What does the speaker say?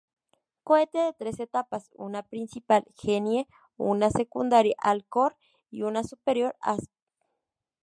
Cohete de tres etapas: una principal Genie, una secundaria Alcor y una superior Asp.